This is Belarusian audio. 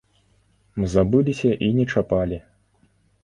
Забыліся і не чапалі.